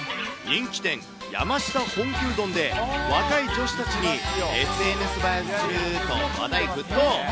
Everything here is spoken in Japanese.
人気店、山下本気うどんで、若い女子たちにＳＮＳ映えすると、話題沸騰。